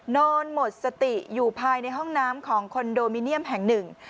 นอนหมดสติอยู่ภายในห้องน้ำของคอนโดมิเนียมแห่งหนึ่ง